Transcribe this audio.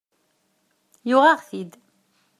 Yuɣ-aɣ-t-id.